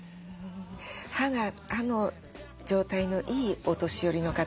歯の状態のいいお年寄りの方